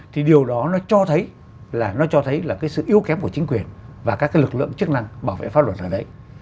thì điều đó nó cho thấy là cái sự yếu kém của chính quyền và các lực lượng chức năng bảo vệ pháp luật ở đấy